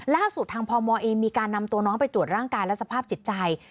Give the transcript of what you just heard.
ล่าสุดทางพมเองมีการนำตัวน้องไปตรวจร่างกายและสภาพจิตใจ